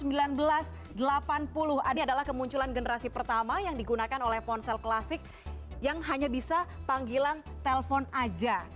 ini adalah kemunculan generasi pertama yang digunakan oleh ponsel klasik yang hanya bisa panggilan telpon aja